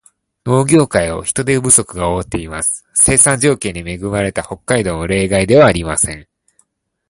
農業界を人手不足が覆っています。生産条件に恵まれた北海道も例外ではありません。